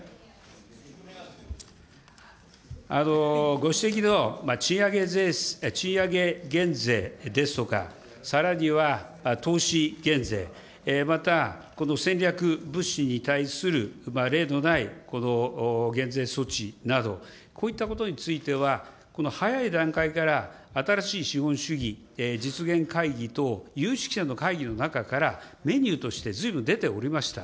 ご指摘の、賃上げ減税ですとか、さらには投資減税、また、戦略物資に対する、例のない減税措置など、こういったことについては、早い段階から新しい資本主義実現会議等、有識者会議の中からメニューとしてずいぶん出ておりました。